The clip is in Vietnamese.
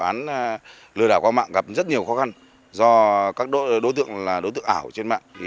vụ án lừa đảo qua mạng gặp rất nhiều khó khăn do các đối tượng là đối tượng ảo trên mạng